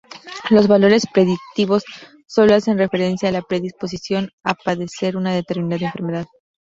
Los valores predictivos sólo hacen referencia a la predisposición a padecer una determinada enfermedad.